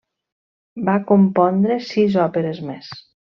Va compondre sis òperes més.